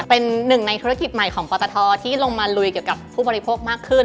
เป็นหนึ่งในธุรกิจใหม่ของปตทที่ลงมาลุยเกี่ยวกับผู้บริโภคมากขึ้น